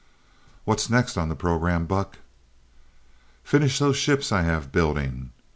"What's next on the program, Buck?" "Finish those ships I have building.